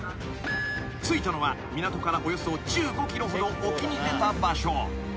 ［着いたのは港からおよそ１５ｋｍほど沖に出た場所］